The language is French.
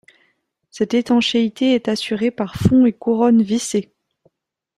Cette étanchéité est assurée par fond et couronne vissés.